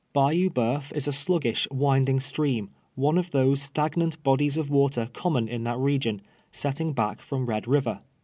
Bayou B(,euf is a sluggish, winding stream — one of those stagnant bodies of water common in that region, setting back from Red River.